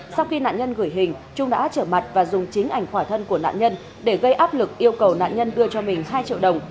sau khi nạn nhân gửi hình trung đã trở mặt và dùng chính ảnh khỏa thân của nạn nhân để gây áp lực yêu cầu nạn nhân đưa cho mình hai triệu đồng